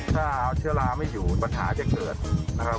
ถ้าเอาเชื้อราไม่อยู่ปัญหาจะเกิดนะครับ